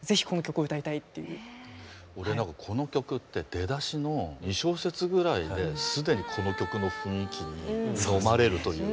俺なんかこの曲って出だしの２小節ぐらいで既にこの曲の雰囲気にのまれるというか。